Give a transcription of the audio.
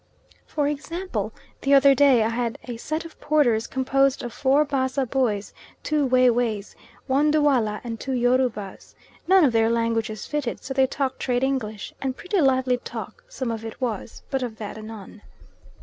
For example, the other day I had a set of porters composed of four Bassa boys, two Wei Weis, one Dualla, and two Yorubas. None of their languages fitted, so they talked trade English, and pretty lively talk some of it was, but of that anon.